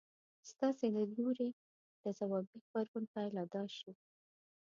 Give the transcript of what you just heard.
ستاسې له لوري د ځوابي غبرګون پايله دا شي.